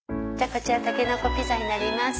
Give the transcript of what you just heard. こちらたけのこピザになります。